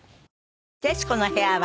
『徹子の部屋』は